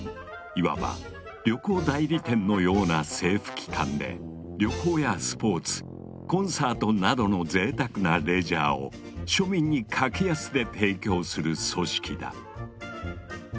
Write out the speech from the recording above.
いわば旅行代理店のような政府機関で旅行やスポーツコンサートなどのぜいたくなレジャーを庶民に格安で提供する組織だ。